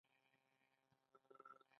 د افغانستان ابادي زنده باد.